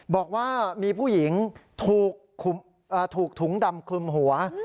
บอกว่ามีผู้หญิงถูกถุงดำคลุมหัว